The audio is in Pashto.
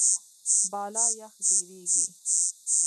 بالا یخ ډېریږي.